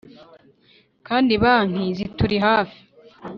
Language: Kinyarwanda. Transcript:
kandi banki zituri hafi,